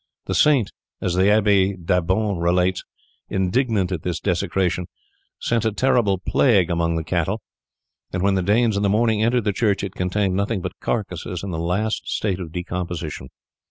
The saint, as the Abbe D'Abbon relates, indignant at this desecration, sent a terrible plague among the cattle, and when the Danes in the morning entered the church it contained nothing but carcasses in the last state of decomposition.